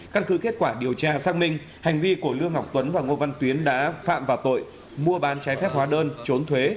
căn cứ kết quả điều tra xác minh hành vi của lương ngọc tuấn và ngô văn tuyến đã phạm vào tội mua bán trái phép hóa đơn trốn thuế